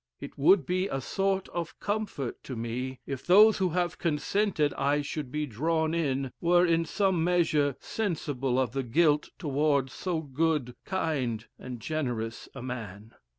It would be a sort of comfort to me if those who have consented I should be drawn in, were in some measure sensible of the guilt towards so good, kind, generous a man."